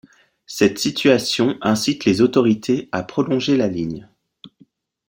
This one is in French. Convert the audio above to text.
Cette situation incite les autorités à prolonger la ligne.